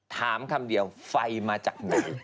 ถามคำเดียวไฟมาจากไหน